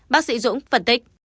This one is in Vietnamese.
bác sĩ dũng phân tích